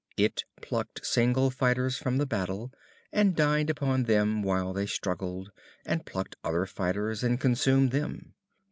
It plucked single fighters from the battle and dined upon them while they struggled, and plucked other fighters, and consumed them.